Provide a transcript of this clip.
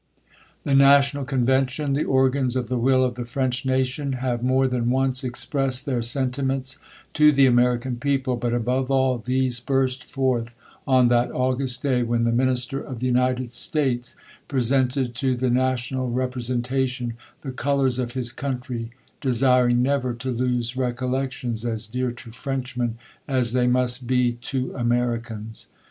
The National Convention, the organs of the will of the French Nation, have more than once expressed their sentiments to the American people ; but above all, these burst forth on that august day, when the Minister of the United States presented to the National Repre sentation, the colours of his country, desiring never to lose recollections as dear to Frenchmen as they must be to Americans.